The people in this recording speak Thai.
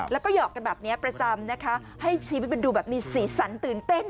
แล้วก็หอกกันแบบนี้ประจำนะคะให้ชีวิตมันดูแบบมีสีสันตื่นเต้น